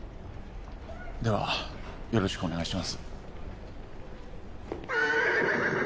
ではよろしくお願いします